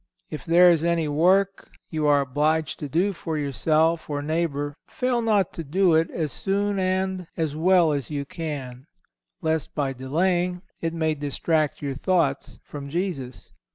If there is any work you are obliged to do for yourself or neighbour fail not to do it as soon and as well as you can, lest by delay it may distract your thoughts from Jesus.